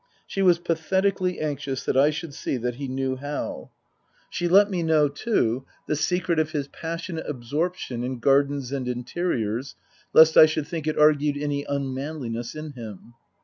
She was pathetically anxious that I should see that he knew how. 10 146 Tasker Jevons She let me know, too, the secret of his passionate absorption in gardens and interiors, lest I should think it argued any unmanliness in him.